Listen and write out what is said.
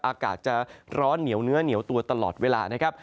อากาศจะร้อนเหนียวเนื้อเหนียวตัวตลอดเวลานะครับ